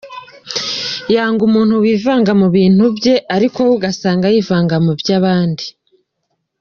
Yanga umuntu wivanga mu bintu bye ariko we ugasanga yivanga mu by’abandi .